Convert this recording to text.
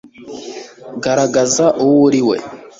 garagaza uwo uri we